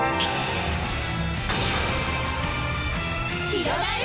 ひろがる